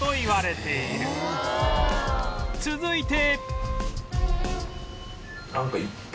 続いて